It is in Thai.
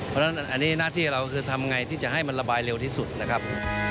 เพราะฉะนั้นอันนี้หน้าที่เราคือทำไงที่จะให้มันระบายเร็วที่สุดนะครับ